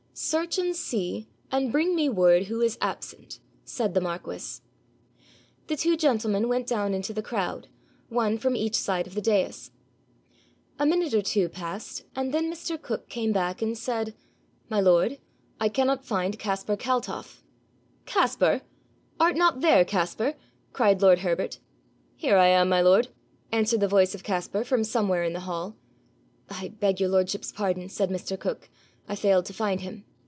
'Search and see, and bring me word who is absent,' said the marquis. The two gentlemen went down into the crowd, one from each side of the dais. A minute or two passed, and then Mr. Cook came back and said, 'My lord, I cannot find Caspar Kaltoff.' 'Caspar! Art not there, Caspar?' cried lord Herbert. 'Here I am, my lord,' answered the voice of Caspar from somewhere in the hall. 'I beg your lordship's pardon,' said Mr. Cook. 'I failed to find him.'